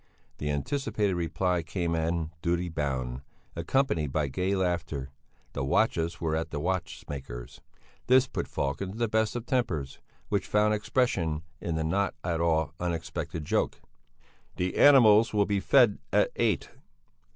The anticipated reply came as in duty bound, accompanied by gay laughter: the watches were at the watch maker's. This put Falk into the best of tempers, which found expression in the not at all unexpected joke: "The animals will be fed at eight."